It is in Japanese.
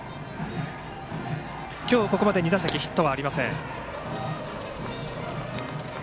今日ここまで２打席ヒットはありません。